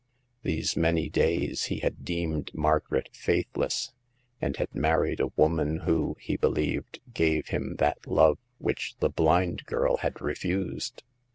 These many days he had deemed Margaret faithless, and had married a woman who, he believed, gave him that love which the blind girl had refused.